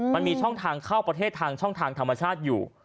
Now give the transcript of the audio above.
มันมีช่องทางเข้าประเทศทางช่องทางธรรมชาติอยู่